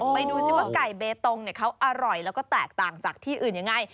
ไปดูซิว่าไก่เบตงเขาอร่อยแล้วก็แตกต่างจากที่อื่นยังไง